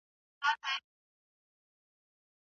هغه یو نوی پیغام په خپل ځیرک مبایل کې ولوست.